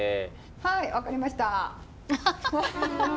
はい分かりました！